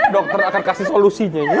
dokter akan kasih solusinya ini